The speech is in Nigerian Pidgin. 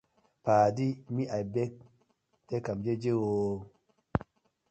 Paadi mi abeg tak am jeje ooo.